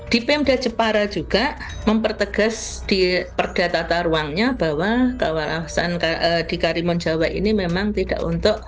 di pemda jepara juga mempertegas di perda tata ruangnya bahwa kawasan di karimun jawa ini memang tidak untuk